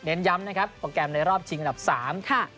เน้นย้ำนะครับโปรแกรมในรอบชิงอันดับ๓